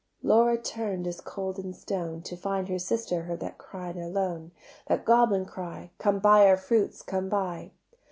Laura turn'd cold as stone To find her sister heard that cry alone, That goblin cry, "Come buy our fruits, come buy."